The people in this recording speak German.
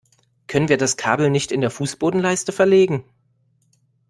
Können wir das Kabel nicht in der Fußbodenleiste verlegen?